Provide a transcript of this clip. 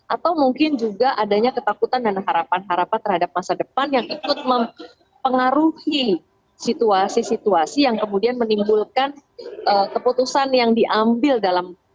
atau mungkin juga adanya ketakutan dan harapan harapan terhadap masa depan yang ikut mempengaruhi situasi situasi yang kemudian menimbulkan keputusan yang diambil dalam